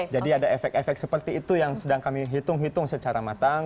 jadi ada efek efek seperti itu yang sedang kami hitung hitung secara matang